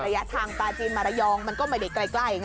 แยะทางปาจีนมาระยองมันก็ไม่ไว้ไกล